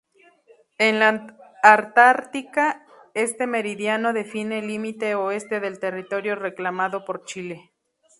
En la Antártica, este meridiano define el límite oeste del territorio reclamado por Chile.